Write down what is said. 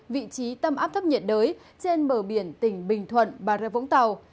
vị trí tầm áp thấp nhiệt đới trên bờ biển tỉnh bình thuận bà rất vũng tàu